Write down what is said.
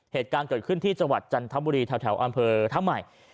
เหตุการณ์เกิดขึ้นที่จังหวัดจันทบุรีแถวอำเภอท่าใหม่